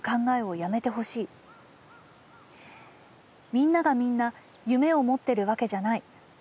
みんながみんな夢を持ってるわけじゃない。